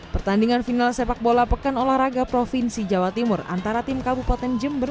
pertandingan final sepak bola pekan olahraga provinsi jawa timur antara tim kabupaten jember